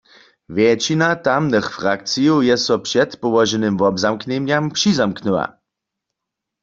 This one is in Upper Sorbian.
Wjetšina tamnych frakcijow je so předpołoženym wobzamknjenjam přizamknyła.